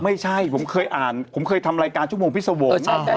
ไม่ใช่ผมเคยอ่านผมเคยทำรายการชั่วโมงพิษวงศ์